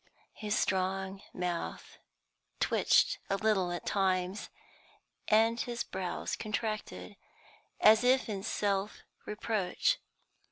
His strong mouth twitched a little at times, and his brows contracted, as if in self reproach.